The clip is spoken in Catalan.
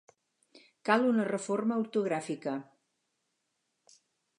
Cal una reforma ortogràfica.